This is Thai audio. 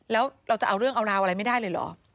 แล้วเราจะเอาเรื่องเอาราวอะไรไม่ได้เลยเหรอ